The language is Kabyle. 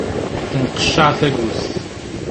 Tenqeccaɛ tagut.